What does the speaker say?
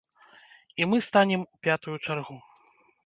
І мы станем у пятую чаргу.